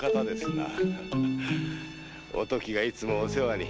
なお時がいつもお世話に。